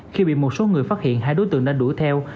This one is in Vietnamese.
khi bị một số người phát hiện hai đối tượng đã đuổi theo